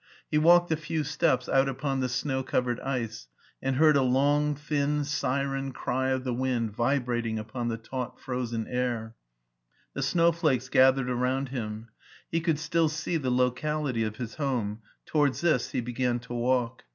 He walked a few steps oiit upon the snow covered ice, and heard a long, thin, siren cry of the wind vibrating upon the taut frozen air. The snowflakes gathered around him. He could still see the locality of his home : to wards this he began to walk.